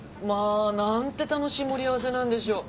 何て楽しい盛り合わせなんでしょう。